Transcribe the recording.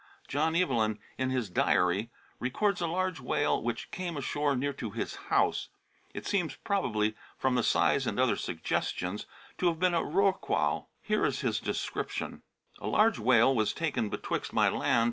John Evelyn, in his Diary, re cords a large whale which came ashore near to his house. It seems probably, from the size and other suggestions, to have been a Rorqual. Here is his description : "A large whale was taken betwixt my land butting * Comptes Rendus Soc.